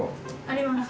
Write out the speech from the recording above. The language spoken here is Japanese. あります。